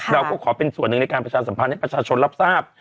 เราก็ขอเป็นส่วนหนึ่งในการประชาสัมพันธ์ให้ประชาชนรับทราบ